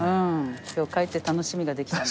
今日帰って楽しみができたな。